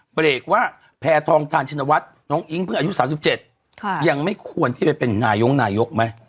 เบรกว่าแพทองทานชินวัฒน์น้องอิ๊งเพิ่งอายุ๓๗ยังไม่ควรที่ไปเป็นนายกนายกไหม